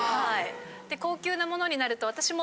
高級なものになると私も。